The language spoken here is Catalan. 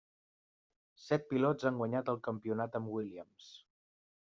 Set pilots han guanyat el campionat amb Williams.